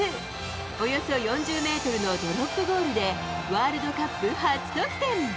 およそ４０メートルのドロップゴールで、ワールドカップ初得点。